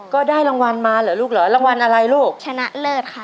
ก็ได้รางวัลมาเหรอลูกเหรอรางวัลอะไรลูกชนะเลิศค่ะ